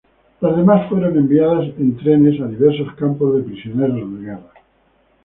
Las demás fueron enviadas en trenes a diversos campos de prisioneros de guerra.